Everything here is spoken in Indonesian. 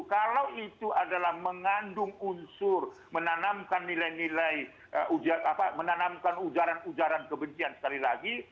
kalau itu adalah mengandung unsur menanamkan ujaran ujaran kebencian sekali lagi